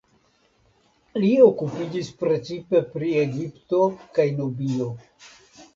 Li okupiĝis precipe pri Egipto kaj Nubio.